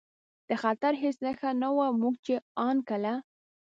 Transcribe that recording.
د خطر هېڅ نښه نه وه، موږ چې ان کله.